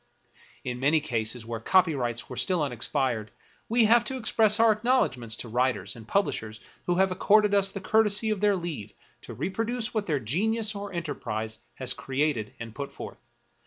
In many cases where copyrights were still unexpired, we have to express our acknowledgments to writers and pub lishers who have accorded us the courtesy of their leave to reproduce what their genius or enterprise has created and put forth.